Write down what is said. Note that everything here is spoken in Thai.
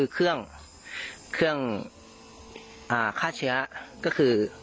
เครื่องฆ่าเชื้อก็คือ